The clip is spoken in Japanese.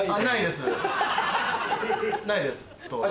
ないです。